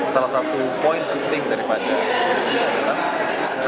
salah satu poin penting daripada ini adalah